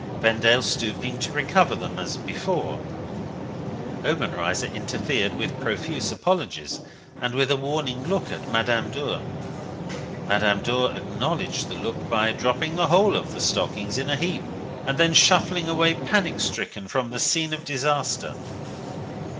Vendale stooping to recover them as before, Obenreizer interfered with profuse apologies, and with a warning look at Madame Dor. Madame Dor acknowledged the look by dropping the whole of the stockings in a heap, and then shuffling away panic stricken from the scene of disaster.